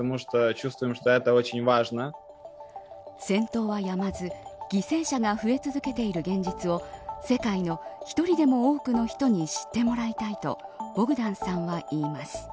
戦闘はやまず犠牲者が増え続けている現実を世界の１人でも多くの人に知ってもらいたいとボグダンさんは言います。